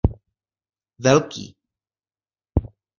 Velký.